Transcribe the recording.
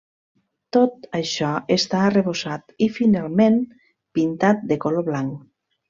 Tot això està arrebossat i finalment pintat de color blanc.